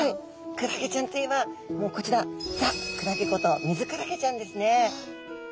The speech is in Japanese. クラゲちゃんといえばもうこちらザ・クラゲことミズクラゲちゃんですね。